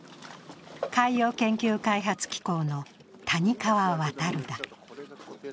海洋研究開発機構の谷川亘だ。